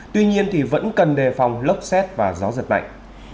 tuy nhiên vẫn cần đề phòng lốc xét và gió giật mạnh